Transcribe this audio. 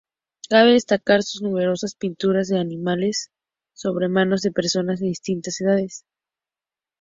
Cabe destacar sus numerosas pinturas de animales sobre manos de personas de distintas edades.